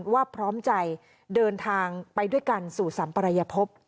ว่าพร้อมใจเดินทางไปด้วยกันสู่สัมปรยภพ